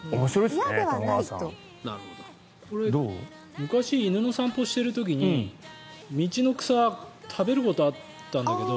昔犬の散歩をしている時に道の草を食べることがあったんだけど。